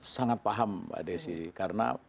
sangat paham mbak desi karena